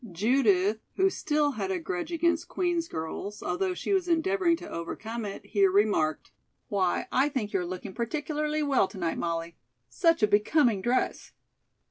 Judith, who still had a grudge against Queen's girls, although she was endeavoring to overcome it, here remarked: "Why, I think you are looking particularly well to night, Molly. Such a becoming dress!"